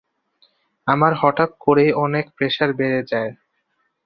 আমার হঠাৎ করেই অনেক প্রেসার বেড়ে যায়।